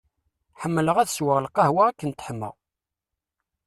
Ḥemmleɣ ad sweɣ lqahwa akken teḥma.